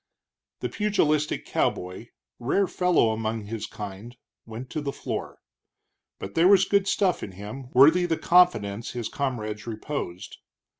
The pugilistic cowboy, rare fellow among his kind, went to the floor. But there was good stuff in him, worthy the confidence his comrades reposed.